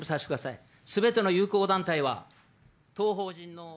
すべての友好団体は当法人の。